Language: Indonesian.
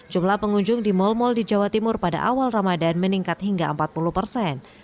jumlah pengunjung di mal mal di jawa timur pada awal ramadan meningkat hingga empat puluh persen